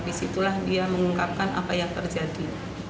di situlah dia mengungkapkan apa yang terjadi